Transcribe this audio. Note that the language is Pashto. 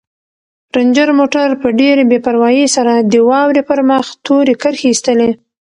رنجر موټر په ډېرې بې پروايۍ سره د واورې پر مخ تورې کرښې ایستلې.